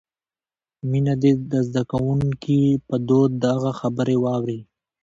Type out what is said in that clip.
مينه دې د زدکونکې په دود د هغه خبرې واوري.